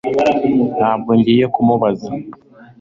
Ntabwo ngiye kumubaza